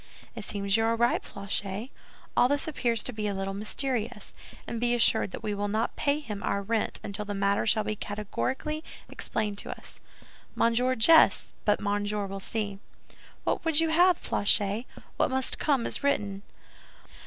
"It seems you are right, Planchet; all this appears to be a little mysterious; and be assured that we will not pay him our rent until the matter shall be categorically explained to us." "Monsieur jests, but Monsieur will see." "What would you have, Planchet? What must come is written."